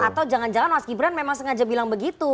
atau jangan jangan mas gibran memang sengaja bilang begitu